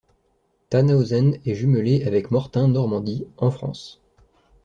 Thannhausen est jumelée avec Mortain, Normandie, en France.